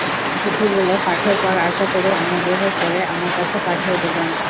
চিঠিগুলো পাঠের পর আশা করি অনুগ্রহ করে আমার কাছে পাঠিয়ে দেবেন।